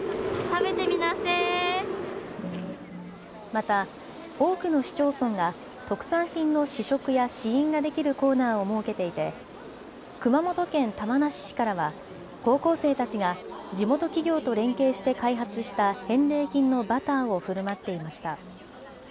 また多くの市町村が特産品の試食や試飲ができるコーナーを設けていて熊本県玉名市からは高校生たちが地元企業と連携して開発した返礼品のバターをふるまっていました。